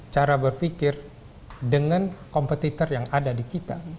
cara berpikir dengan kompetitor yang ada di kita